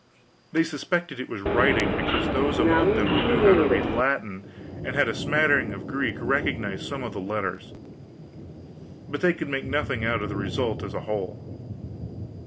They suspected it was writing, because those among them who knew how to read Latin and had a smattering of Greek, recognized some of the letters, but they could make nothing out of the result as a whole.